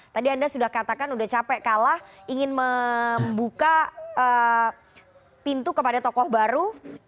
tadi anda sudah katakan sudah capek kalah ingin membuka pintu kepada tokoh baru